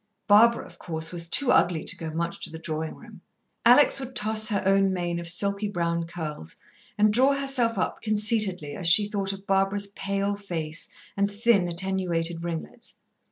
Barbara, of course, was too ugly to go much to the drawing room. Alex would toss her own mane of silky brown curls, and draw herself up conceitedly, as she thought of Barbara's pale face, and thin, attenuated ringlets.